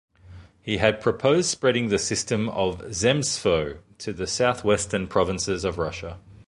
He had proposed spreading the system of zemstvo to the southwestern provinces of Russia.